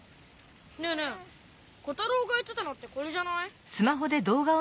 ねえねえ小太郎がやってたのってこれじゃない？